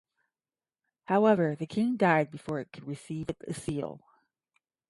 However the King died before it could receive the Seal.